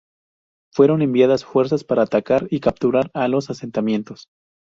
Fueron enviadas fuerzas para atacar y capturar los asentamientos.